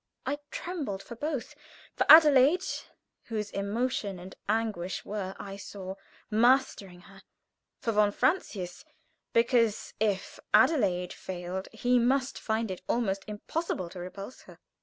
I trembled for both; for Adelaide, whose emotion and anguish were, I saw, mastering her; for von Francius, because if Adelaide failed he must find it almost impossible to repulse her.